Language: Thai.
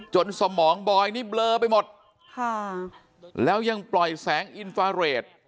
สมองบอยนี่เบลอไปหมดค่ะแล้วยังปล่อยแสงอินฟาเรท